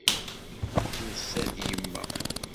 Tusa-d yemma.